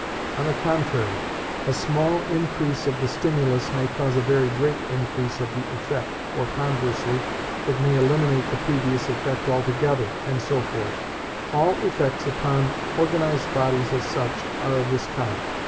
On the contrary, a small increase of the stimulus may cause a very great increase of the effect, or conversely, it may eliminate the previous effect altogether, and so forth. All effects upon organised bodies as such are of this kind.